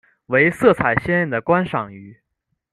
为色彩鲜艳的观赏鱼。